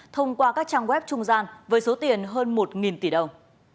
thông qua các trang web trung gian với số tiền hơn một tỷ đồng